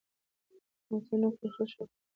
حکومتونه کوښښ وکړي.